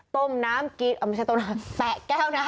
ต้มน้ำกินไม่ใช่ต้มน้ำแปะแก้วนะ